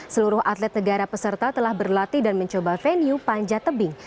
seluruh atlet negara peserta telah berlatih dan mencoba venue panjat tebing